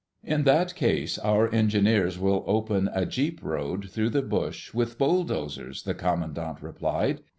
"In that case, our engineers will open a jeep road through the bush with bulldozers," the commandant replied.